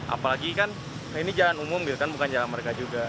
apalagi kan ini jalan umum bukan jalan mereka juga